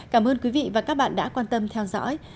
cảm ơn quý vị và các bạn đã quan tâm theo dõi